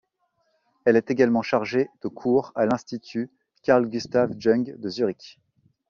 Elle est également chargée de cours à l’Institut Carl-Gustav-Jung de Zürich.